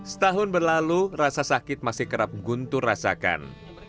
setahun berlalu rasa sakit masih kerap guntur rasakan